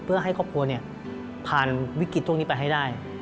เพื่อให้ครอบครัวผ่านวิกฤตพวกนี้ไปให้ได้